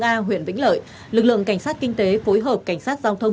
ở một a huyện vĩnh lợi lực lượng cảnh sát kinh tế phối hợp cảnh sát giao thông